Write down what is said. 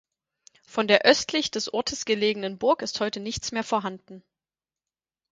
Von der östlich des Ortes gelegenen Burg ist heute nichts mehr vorhanden.